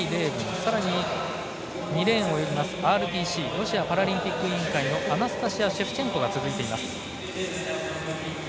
さらに２レーンのＲＰＣ＝ロシアパラリンピック委員会のアナスタシヤ・シェフチェンコが続いています。